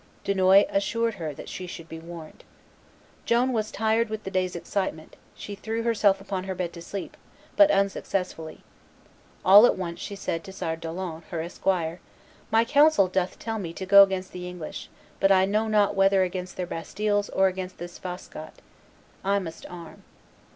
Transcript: Dunois assured her that she should be warned. Joan was tired with the day's excitement; she threw herself upon her bed to sleep, but unsuccessfully; all at once she said to Sire Daulon, her esquire, "My counsel doth tell me to go against the English; but I know not whether against their bastilles or against this Fascot. I must arm."